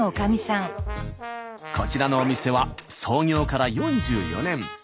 こちらのお店は創業から４４年。